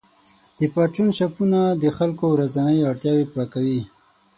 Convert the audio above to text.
د پرچون شاپونه د خلکو ورځنۍ اړتیاوې پوره کوي.